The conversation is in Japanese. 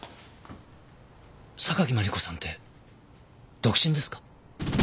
榊マリコさんって独身ですか？